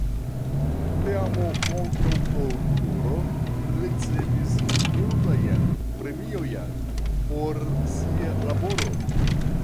Teamo kontraŭ torturo ricevis multajn premiojn por sia laboro.